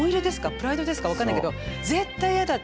プライドですか分かんないけど絶対やだって言って。